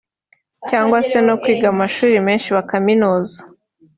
cyangwa se no kwiga amashuri menshi bakaminuza